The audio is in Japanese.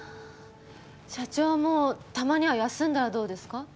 社長もたまには休んだらどうですか？